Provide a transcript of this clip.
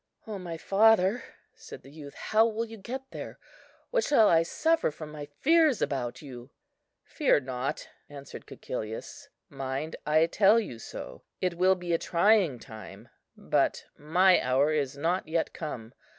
"O my father," said the youth, "how will you get there? What shall I suffer from my fears about you?" "Fear not," answered Cæcilius, "mind, I tell you so. It will be a trying time, but my hour is not yet come.